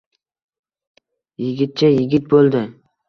Yigitcha yigit bo`ldi